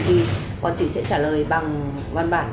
thì con chỉ sẽ trả lời bằng văn bản